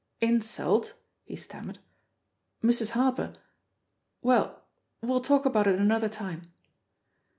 "Insult?" he stammered. "Mrs. Harper ..• Well, we'll talk about it another time."